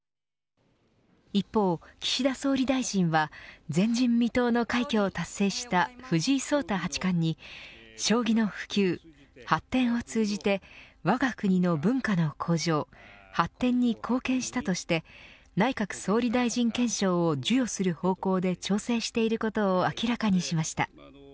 一方、岸田総理大臣は前人未踏の快挙を達成した藤井聡太八冠に将棋の普及発展を通じてわが国の文化の向上発展に貢献したとして内閣総理大臣顕彰を授与する方向で調整していることを明らかにしました。